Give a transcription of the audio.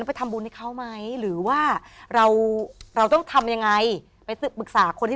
ไปทำบุญให้เขาไหมหรือว่าเราเราต้องทำยังไงไปปรึกษาคนที่